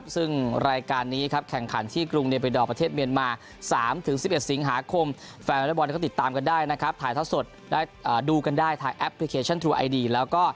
สรีละแต่ละคนแต่ละทีมเนี่ยค่อนข้างสูงนะครับ